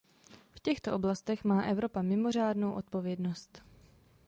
V těchto oblastech má Evropa mimořádnou odpovědnost.